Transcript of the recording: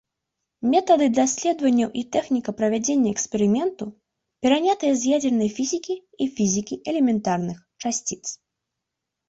Метады даследаванняў і тэхніка правядзення эксперыменту перанятыя з ядзернай фізікі і фізікі элементарных часціц.